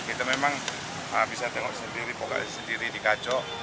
kita memang bisa tengok sendiri pokat sendiri dikacau